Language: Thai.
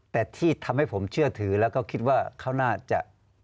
แต่ที่ทำให้ผมเชื่อถือแล้วก็คิดว่าเขาน่าจะ